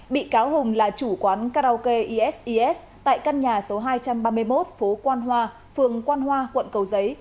bị cáo hùng là chủ quán karaoke eses tại căn nhà số hai trăm ba mươi một phố quan hoa phường quan hoa quận cầu giấy